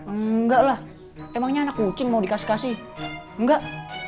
enggak lah emangnya anak kucing mau dikasih kasih enggak